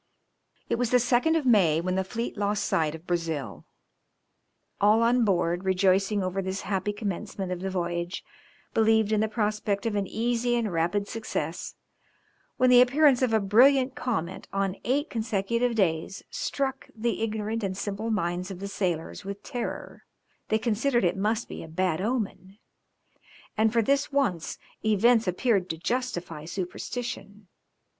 [Illustration: Cabral takes formal possession of Brazil.] It was the 2nd of May when the fleet lost sight of Brazil. All on board, rejoicing over this happy commencement of the voyage, believed in the prospect of an easy and rapid success, when the appearance of a brilliant comet on eight consecutive days struck the ignorant and simple minds of the sailors with terror; they considered it must be a bad omen, and for this once events appeared to justify superstition.